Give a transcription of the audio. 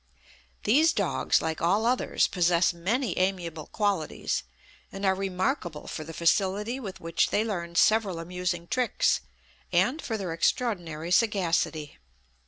_ These dogs, like all others, possess many amiable qualities, and are remarkable for the facility with which they learn several amusing tricks, and for their extraordinary sagacity.